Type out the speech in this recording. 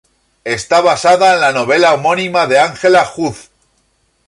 Está basada en la novela homónima de Angela Huth.